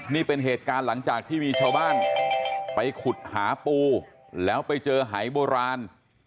นี่เป็นเหตุการณ์หลังจากที่มีชาวบ้านไปขุดหาปูแล้วไปเจอหายโบราณ